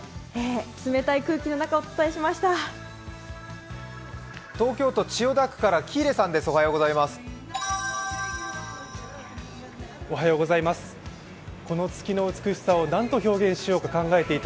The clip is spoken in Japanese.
冷たい空気の中お伝えしました。